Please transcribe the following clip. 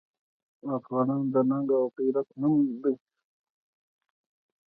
افغان د ننګ او غیرت نوم دی.